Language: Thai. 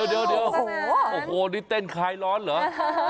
เดี๋ยวโอ้โหนี่เต้นคลายร้อนเหรอ